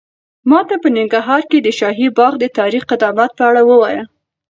ماته په ننګرهار کې د شاهي باغ د تاریخي قدامت په اړه ووایه.